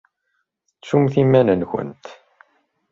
Tettumt iman-nkent.